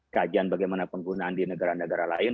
kajian bagaimana penggunaan di negara negara lain